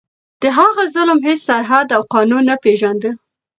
د هغه ظلم هیڅ سرحد او قانون نه پېژانده.